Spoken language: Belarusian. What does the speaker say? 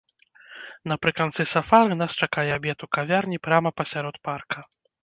Напрыканцы сафары нас чакае абед у кавярні прама пасярод парка.